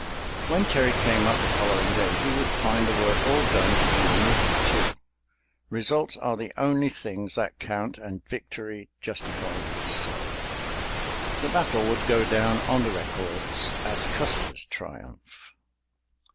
When Terry came up the following day, he would find the work all done and neatly, too. Results are the only things that count, and victory justifies itself. The battle would go down on the records as Custer's triumph!